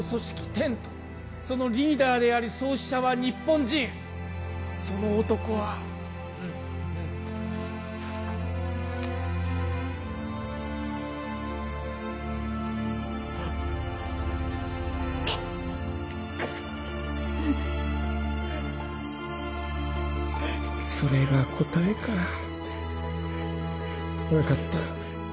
テントそのリーダーであり創始者は日本人その男はうっくっそれが答えか分かった